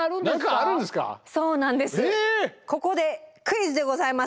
ここでクイズでございます。